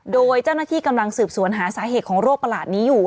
โดยเจ้าหน้าที่กำลังสืบสวนหาสาเหตุของโรคประหลาดนี้อยู่